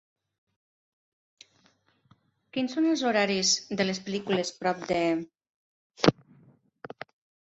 Quins són els horaris de les pel·lícules prop de